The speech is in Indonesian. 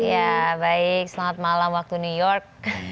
ya baik selamat malam waktu new york